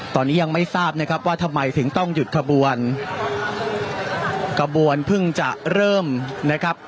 ตอนนี้ยังไม่ทราบนะครับว่าทำไมถึงต้องหยุดขบวนขบวนเพิ่งจะเริ่มนะครับ